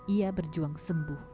ia berjuang sembuh